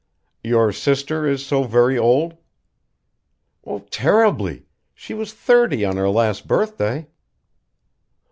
"Your sister is so very old?" "Terribly. She was thirty on her last birthday."